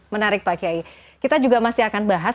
menarik pak kiai kita juga masih akan bahas